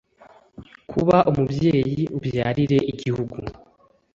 kuba umubyeyi ubyarire igihugu